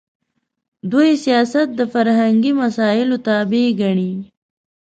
دوی سیاست د فرهنګي مسایلو تابع ګڼي.